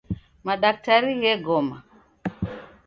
Madaktari ghegoma.